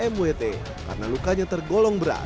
mwt karena lukanya tergolong berat